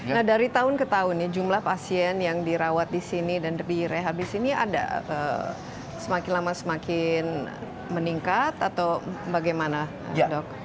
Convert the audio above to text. nah dari tahun ke tahun ya jumlah pasien yang dirawat di sini dan direhabis ini ada semakin lama semakin meningkat atau bagaimana dok